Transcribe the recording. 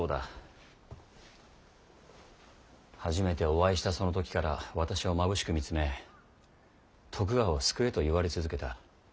初めてお会いしたその時から私をまぶしく見つめ「徳川を救え」と言われ続けた。